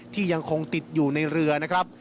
ยังคงติดอยู่ในเรือนะครับ